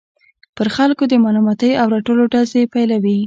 پر خلکو د ملامتۍ او رټلو ډزې پيلوي.